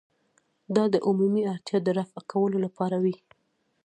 دا د عمومي اړتیا د رفع کولو لپاره وي.